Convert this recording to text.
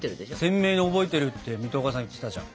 鮮明に覚えてるって水戸岡さん言ってたじゃん。